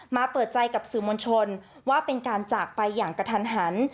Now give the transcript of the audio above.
เปิดใจกับสื่อมวลชนว่าเป็นการจากไปอย่างกระทันหัน